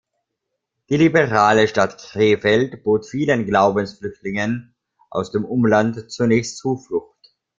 Die liberale Stadt Krefeld bot vielen Glaubensflüchtlingen aus dem Umland zunächst Zuflucht.